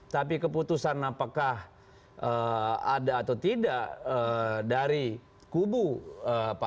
tapi keputusan apakah ada atau tidak dari kubu pak